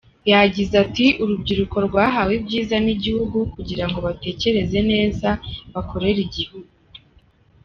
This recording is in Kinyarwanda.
Yagize ati “Urubyiruko rwahawe ibyiza n’igihugu kugira ngo batekereze neza bakorere igihugu.